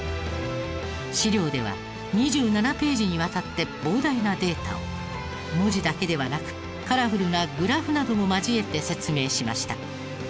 資料では２７ページにわたって膨大なデータを文字だけではなくカラフルなグラフなども交えて説明しました。